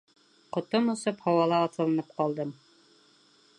Ҡотом осоп, һауала аҫылынып ҡалдым.